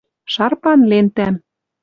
Шарпан лентӓм